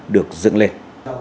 được dựng lên